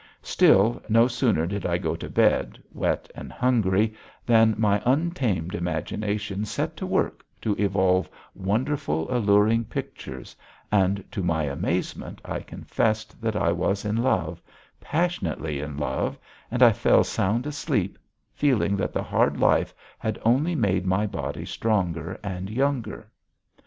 Still, no sooner did I go to bed, wet and hungry, than my untamed imagination set to work to evolve wonderful, alluring pictures, and to my amazement I confessed that I was in love, passionately in love, and I fell sound asleep feeling that the hard life had only made my body stronger and younger.